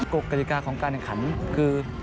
กกฎิกาของการแข่งขันคือ